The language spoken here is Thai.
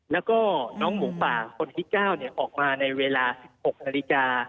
แล้วก็น้องหมูป่าคนที่๙ออกมาในเวลา๑๖นาฬิกา